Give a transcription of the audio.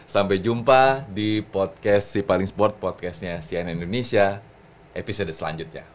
sampai jumpa di podcast si paling sport podcastnya cnn indonesia episode selanjutnya